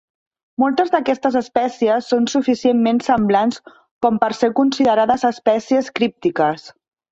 Moltes d'aquestes espècies són suficientment semblants com per ser considerades espècies críptiques.